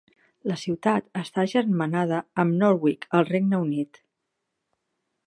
La ciutat està agermanada amb Norwich al Regne Unit.